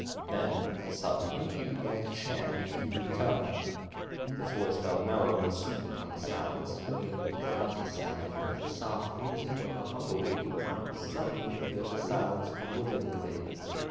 Then suddenly he began to chant in the Hebrew tongue. His voice fell mellow and sweet upon the silence, filling it with drowsy sound, as the soft music of a humble bee will suddenly fill the silence of a woodland glade.